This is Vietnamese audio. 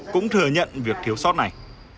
cũng thừa nhận việc thiếu sót này